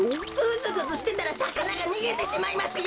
ぐずぐずしてたらさかながにげてしまいますよ！